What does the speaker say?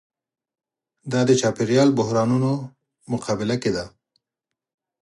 دا د چاپېریال بحرانونو مقابله کې ده.